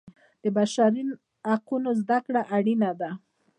د بشري حقونو زده کړه اړینه ده.